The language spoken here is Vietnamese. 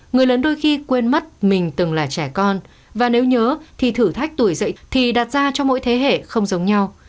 người lớn đôi khi quên mất mình từng là trẻ con và nếu nhớ thì thử thách tuổi dậy thì đặt ra cho mỗi thế hệ không giống nhau